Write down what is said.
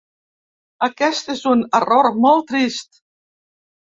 Aquest és un error molt trist.